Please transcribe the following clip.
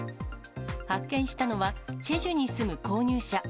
発見したのは、チェジュに住む購入者。